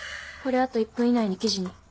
これあと１分以内に記事に。